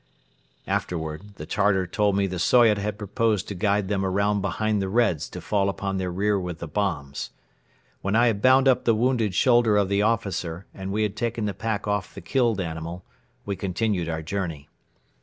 Afterward the Tartar told me the Soyot had proposed to guide them around behind the Reds to fall upon their rear with the bombs. When I had bound up the wounded shoulder of the officer and we had taken the pack off the killed animal, we continued our journey.